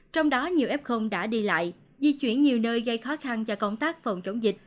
trong đó nhiều f đã đi lại di chuyển nhiều nơi gây khó khăn cho công tác phòng chống dịch